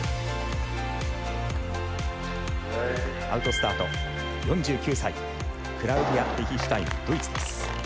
アウトスタート、４９歳クラウディア・ベヒシュタインドイツです。